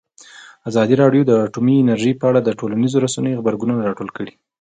ازادي راډیو د اټومي انرژي په اړه د ټولنیزو رسنیو غبرګونونه راټول کړي.